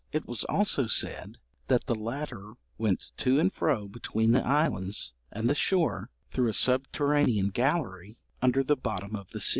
It was also said that the latter went to and fro between the islands and the shore through a subterranean gallery under the bottom of the sea.